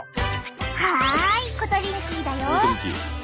はいコトリンキーだよ！